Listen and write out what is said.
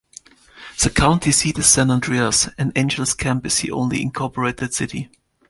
The county seat is San Andreas, and Angels Camp is the only incorporated city.